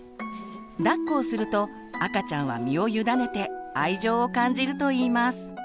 だっこをすると赤ちゃんは身を委ねて愛情を感じるといいます。